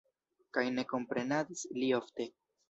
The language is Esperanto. Kaj ne komprenadis li ofte.